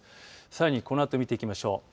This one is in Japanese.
さらにこのあと見ていきましょう。